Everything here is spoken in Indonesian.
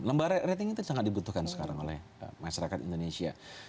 lembar rating itu sangat dibutuhkan sekarang oleh masyarakat indonesia